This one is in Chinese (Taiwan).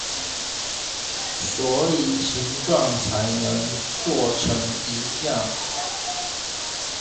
所以形狀才能做成一樣